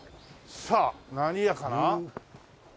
さあ何屋かな？